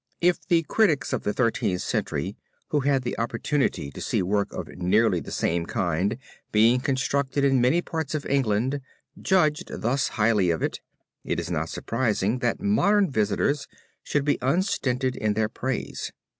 If the critics of the Thirteenth Century, who had the opportunity to see work of nearly the same kind being constructed in many parts of England, judged thus highly of it, it is not surprising that modern visitors should be unstinted in their praise.